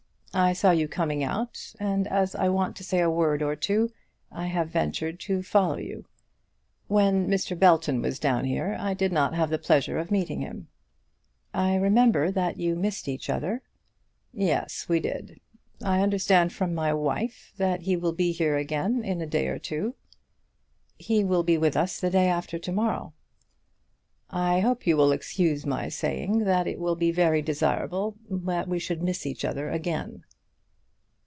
I saw you coming out, and as I want to say a word or two, I have ventured to follow you. When Mr. Belton was down here I did not have the pleasure of meeting him." "I remember that you missed each other." "Yes, we did. I understand from my wife that he will be here again in a day or two." "He will be with us the day after to morrow." "I hope you will excuse my saying that it will be very desirable that we should miss each other again."